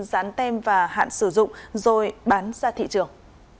dán tem và hạn sử dụng rồi bán ra thị trường